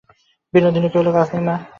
বিনোদিনী কহিল, কাজ নাই, মা।